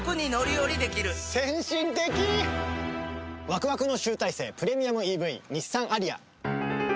ワクワクの集大成プレミアムＥＶ日産アリア。